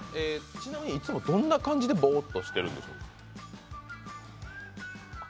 ちなみにいつも、どんな感じでボーッとしてるんでしょう？